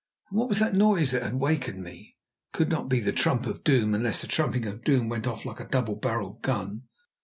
And what was that noise that had wakened me? It could not be the trump of doom, unless the trumping of doom went off like a double barrelled gun.